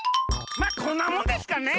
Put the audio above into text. まっこんなもんですかね。